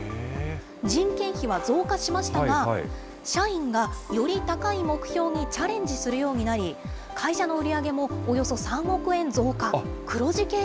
人件費は増加しましたが、社員がより高い目標にチャレンジするようになり、会社の売り上げもおよそ３億円増加。